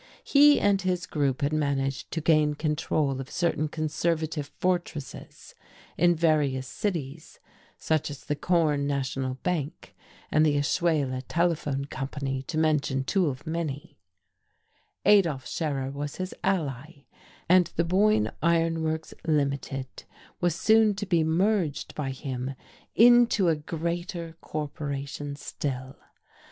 He and his group had managed to gain control of certain conservative fortresses in various cities such as the Corn National Bank and the Ashuela Telephone Company to mention two of many: Adolf Scherer was his ally, and the Boyne Iron Works, Limited, was soon to be merged by him into a greater corporation still.